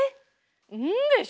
「ん」でしょ？